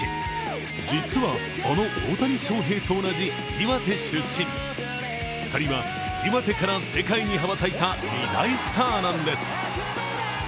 実は、あの大谷翔平と同じ岩手出身２人は岩手から世界に羽ばたいた２大スターなんです。